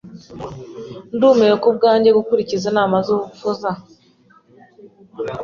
Ndumiwe kubwanjye gukurikiza inama zubupfu za